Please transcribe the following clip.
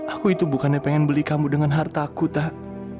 aku itu bukannya pengen beli kamu dengan hartaku tak